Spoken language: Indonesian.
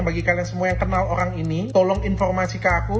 bagi kalian semua yang kenal orang ini tolong informasi ke aku